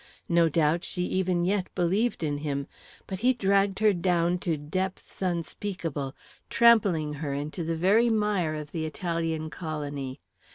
No doubt she even yet believed in him; but he dragged her down to depths unspeakable, trampling her into the very mire of the Italian colony.